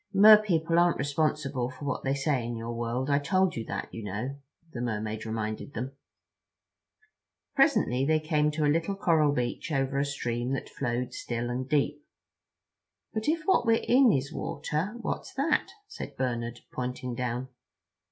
"Mer people aren't responsible for what they say in your world. I told you that, you know," the Mermaid reminded them. Presently they came to a little coral bridge over a stream that flowed still and deep. "But if what we're in is water, what's that?" said Bernard, pointing down.